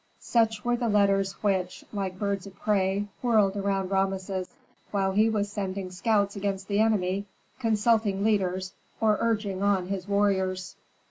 Such were the letters which, like birds of prey, whirled around Rameses, while he was sending scouts against the enemy, consulting leaders, or urging on his warriors.